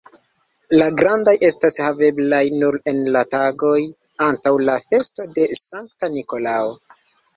La grandaj estas haveblaj nur en la tagoj antaŭ la festo de Sankta Nikolao.